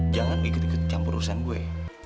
jangan ikut ikut campur urusan gue